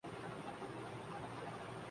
گلے روز جلسہ پر امن جاری تھا